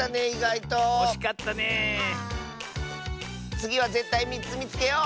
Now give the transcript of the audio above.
つぎはぜったい３つみつけよう！